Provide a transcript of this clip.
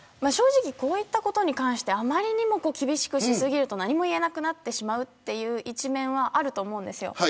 正直、こういったことに関してあまりにも厳しくし過ぎると何も言えなくなってしまうっていう一面はあると思うんですよ。